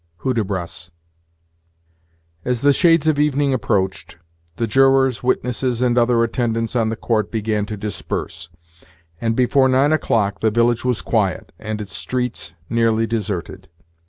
Hudibras. As the shades of evening approached, the jurors, witnesses, and other attendants on the court began to disperse, and before nine o'clock the village was quiet, and its streets nearly deserted.